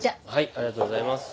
ありがとうございます。